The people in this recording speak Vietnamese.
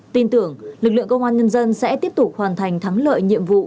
tin tưởng lực lượng công an nhân dân sẽ tiếp tục hoàn thành thắng lợi nhiệm vụ